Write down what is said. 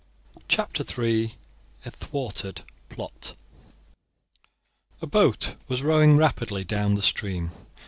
CHAPTER III: A THWARTED PLOT A boat was rowing rapidly down the stream.